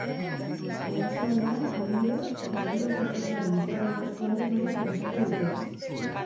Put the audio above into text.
Oarsoaldean, adibidez, Eskura prozesuaren eztabaida eskualde mailan planteatu dute.